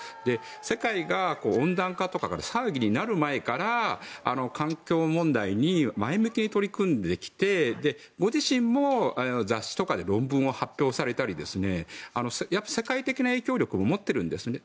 世界が温暖化とかの騒ぎになる前から環境問題に前向きに取り組んできてご自身も雑誌とかで論文を発表されたり世界的な影響力も持ってるんですね。